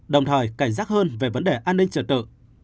đồng thời cảnh giác hơn về vấn đề an ninh trật tự